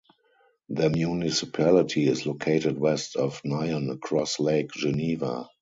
The municipality is located west of Nyon across Lake Geneva.